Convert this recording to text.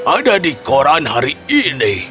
ada di koran hari ini